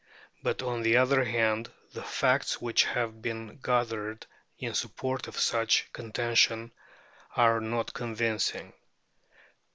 But on the other hand, the facts which have been gathered in support of such a contention are not convincing.